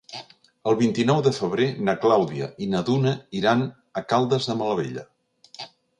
El vint-i-nou de febrer na Clàudia i na Duna iran a Caldes de Malavella.